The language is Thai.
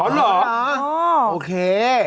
อ๋อหรอโอเค